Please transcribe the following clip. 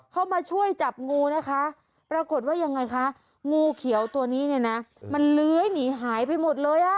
เข้ามาช่วยจับงูนะคะปรากฏว่ายังไงคะงูเขียวตัวนี้เนี่ยนะมันเลื้อยหนีหายไปหมดเลยอ่ะ